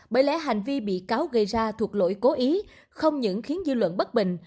bởi lẽ hành vi bị cáo gây ra thuộc lỗi cố ý không những khiến dư luận bất bình